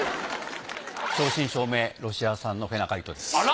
正真正銘ロシア産のフェナカイトです。